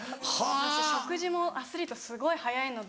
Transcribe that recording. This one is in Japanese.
食事もアスリートすごい速いので。